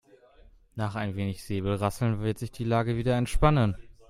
Nach ein wenig Säbelrasseln wird sich die Lage wieder entspannen.